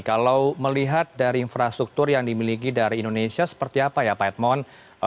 kalau melihat dari infrastruktur yang dimiliki dari indonesia seperti apa ya pak edmond